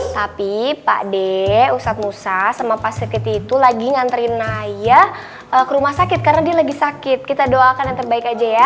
tapi pak d ustadz musa sama pak siti itu lagi nganterin ayah ke rumah sakit karena dia lagi sakit kita doakan yang terbaik aja ya